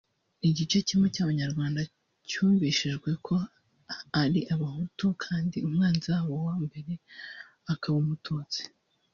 Igice kimwe cy’abanyarwanda cyumvishijwe ko ari abahutu kandi umwanzi wabo wa mbere akaba umututsi